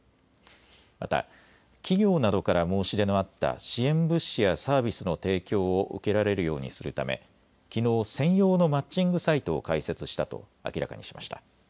また、企業などから申し出のあった支援物資やサービスの提供を受けられるようにするため、きのう専用のマッチングサイトを開設したと明らかにしました。